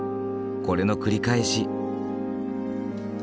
これの繰り返し。